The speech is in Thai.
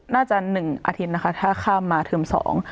หนึ่งอาทิตย์นะคะถ้าข้ามมาเทอมสอง